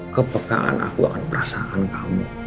kepekaan aku akan perasaan kamu